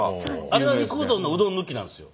あれは肉うどんのうどん抜きなんですよ。